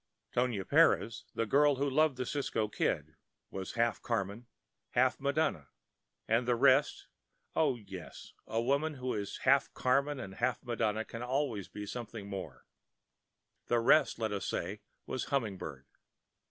Tonia Perez, the girl who loved the Cisco Kid, was half Carmen, half Madonna, and the rest—oh, yes, a woman who is half Carmen and half Madonna can always be something more—the rest, let us say, was humming bird.